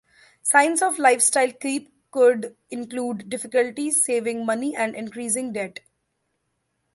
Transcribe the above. Signs of lifestyle creep could include difficulty saving money and increasing debt.